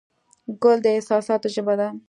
ګل د احساساتو ژبه ده.